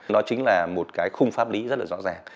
nó chính là một cái khung pháp lý rất là rõ ràng